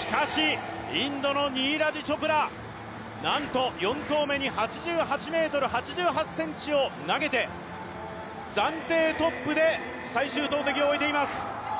しかし、インドのニーラジ・チョプラなんと４投目に８８ｍ８８ｃｍを投げて暫定トップで最終投てきを終えています。